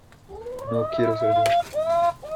no quiero ser yo.